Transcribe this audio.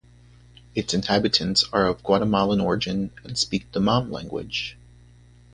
Its inhabitants are of Guatemalan origin and speak the Mam language.